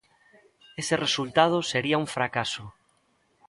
Ese resultado sería un fracaso?